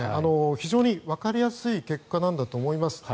非常にわかりやすい結果なんだと思います。